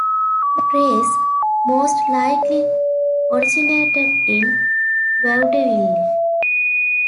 The phrase most likely originated in vaudeville.